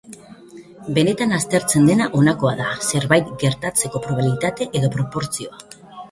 Benetan aztertzen dena honakoa da: zerbait gertatzeko probabilitate edo proportzioa.